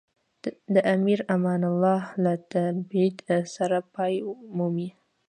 د امیر امان الله له تبعید سره پای مومي.